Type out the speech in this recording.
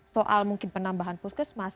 soal mungkin penambahan puskesmas